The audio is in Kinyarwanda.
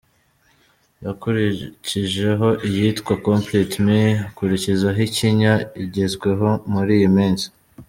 Yakurikijeho iyitwa ’Complete Me’, akurikizaho ’Ikinya’ igezweho muri iyi minsi.